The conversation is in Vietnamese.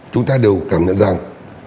chúng ta đều cảm nhận rằng